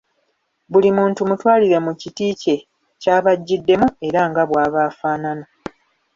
Buli muntu mutwalire mu kiti kye ky’aba ajjiddemu era nga bw’aba afaanana.